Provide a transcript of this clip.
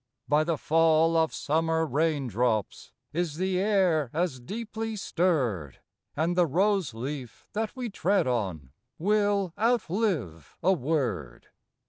By the fall of summer rain drops Is the air as deeply stirred ; And the rose leaf that we tread on Will outlive a word.